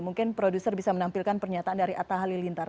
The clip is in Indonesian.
mungkin produser bisa menampilkan pernyataan dari atta halilintar